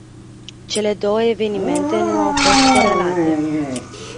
Cele două evenimente nu au fost corelate.